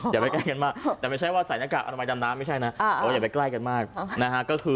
อย่าไปใกล้กันมากแต่ไม่ใช่ว่าใส่หน้ากากอนามัยดำน้ำไม่ใช่นะอย่าไปใกล้กันมากนะฮะ